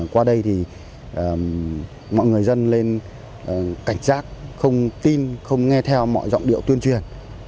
qua đây thì mọi người dân lên cảnh giác không tin không nghe theo mọi giọng điệu tuyên truyền